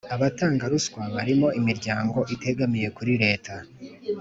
abatanga ruswa barimo Imiryango itegamiye kuri leta